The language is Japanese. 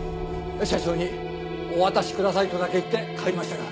社長にお渡しくださいとだけ言って帰りましたが。